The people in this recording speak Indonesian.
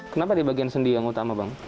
kenapa di bagian sendi yang utama bang